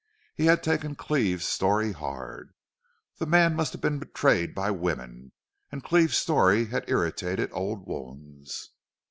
He had taken Cleve's story hard. The man must have been betrayed by women, and Cleve's story had irritated old wounds.